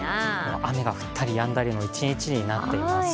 雨が降ったりやんだりの一日になっています。